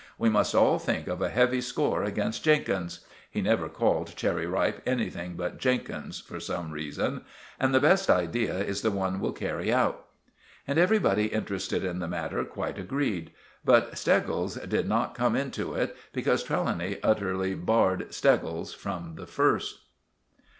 We must all think of a heavy score against Jenkins"—he never called Cherry Ripe anything but Jenkins for some reason—"and the best idea is the one we'll carry out." And everybody interested in the matter quite agreed; but Steggles did not come into it, because Trelawny utterly barred Steggles from the first.